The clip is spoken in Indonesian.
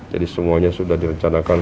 jadi semuanya sudah direncanakan